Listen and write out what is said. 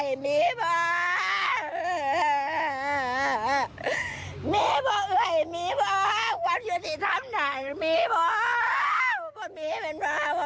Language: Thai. โรงพักฤชฌาอื่น